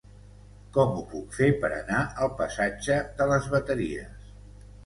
Com ho puc fer per anar al passatge de les Bateries?